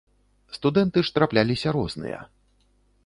Студэнты ж трапляліся розныя.